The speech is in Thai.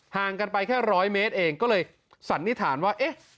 ห่างกันไปแค่ร้อยเมตรเองก็เลยสันนิษฐานว่าเอ๊ะ